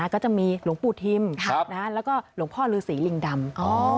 ก็จะมีหลวงปู่ทิมแล้วก็หลวงพ่อฤษีลิงดำ